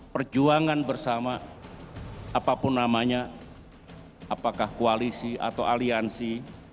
perjuangan bersama apapun namanya apakah koalisi atau aliansi